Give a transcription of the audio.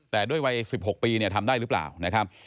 แต่ด้วยวัย๑๖ปีทำได้หรือเปล่า